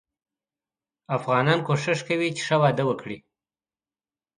افغانان کوښښ کوي چې ښه واده وګړي.